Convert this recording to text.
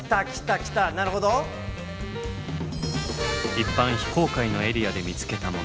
一般非公開のエリアで見つけたもの。